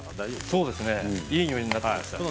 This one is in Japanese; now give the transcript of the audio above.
そうですねいいにおいになってきました。